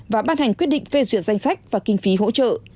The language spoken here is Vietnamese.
và ban hành quyết định phê duyệt danh sách và kinh phí hỗ trợ